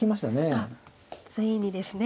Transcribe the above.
あっついにですね。